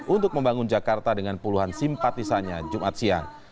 untuk membangun jakarta dengan puluhan simpatisannya jumat siang